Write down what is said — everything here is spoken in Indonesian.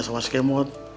tanya sama si kemot